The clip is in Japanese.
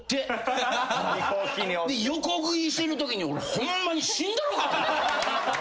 横食いしてるときに俺ホンマに死んだろうか。